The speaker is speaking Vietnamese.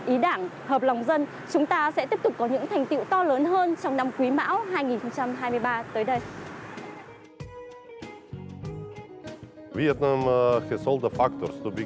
ý đảng hợp lòng dân chúng ta sẽ tiếp tục có những thành tiệu to lớn hơn trong năm quý mão hai nghìn hai mươi ba tới đây